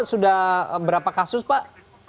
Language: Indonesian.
sudah berapa kasus pak